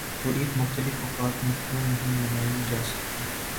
تو عید مختلف اوقات میں کیوں نہیں منائی جا سکتی؟